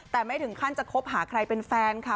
แต่ไม่ถึงขั้นจะคบหาใครเป็นแฟนค่ะ